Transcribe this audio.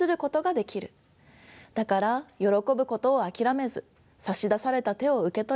だからよろこぶことを諦めず差し出された手を受け取り